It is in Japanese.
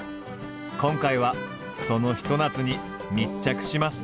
今回はそのひと夏に密着します。